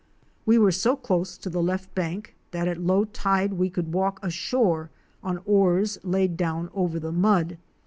We were so close to the left bank that at low tide we could walk ashore on oars laid down over the mud.